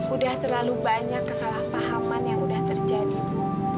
udah terlalu banyak kesalahpahaman yang udah terjadi bu